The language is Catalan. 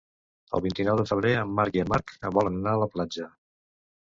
El vint-i-nou de febrer en Marc i en Marc volen anar a la platja.